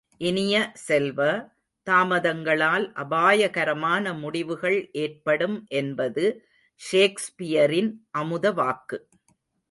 இனிய செல்வ, தாமதங்களால் அபாயகரமான முடிவுகள் ஏற்படும் என்பது ஷேக்ஸ்பியரின் அமுதவாக்கு.